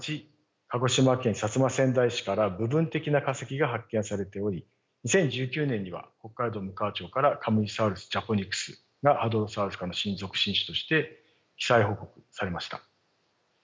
鹿児島県摩川内市から部分的な化石が発見されており２０１９年には北海道むかわ町からカムイサウルス・ジャポニクスがハドロサウルス科の新属新種として記載報告されました。